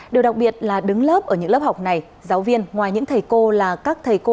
điều đặc biệt là đứng lớp ở những lớp học này giáo viên ngoài những thầy cô là các thầy cô